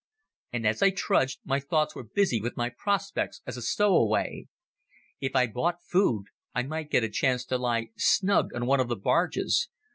And as I trudged, my thoughts were busy with my prospects as a stowaway. If I bought food, I might get a chance to lie snug on one of the barges.